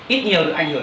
ít nhiều được ảnh hưởng